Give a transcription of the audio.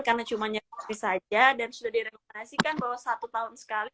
karena cuma nyaris saja dan sudah direkomendasikan bahwa satu tahun sekali